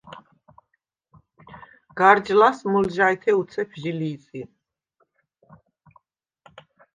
გარჯ ლას მჷლჟაჲთე უცეფ ჟი ლი̄ზი.